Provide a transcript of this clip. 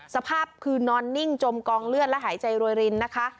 สภาพคือนอนนิ่งจมกองเลือดและหายใจรวยรินนะคะ